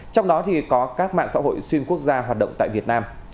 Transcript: trong đó có các mạng xã hội xuyên quốc gia hoạt động tại việt nam